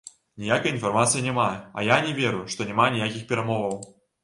Ніякай інфармацыі няма, а я не веру, што няма ніякіх перамоваў.